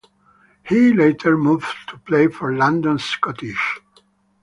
He later moved to play for London Scottish.